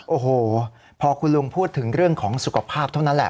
โอ้โหพอคุณลุงพูดถึงเรื่องของสุขภาพเท่านั้นแหละ